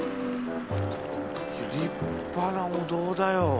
いや立派なお堂だよ。